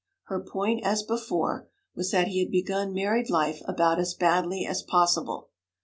Her point, as before, was that he had begun married life about as badly as possible.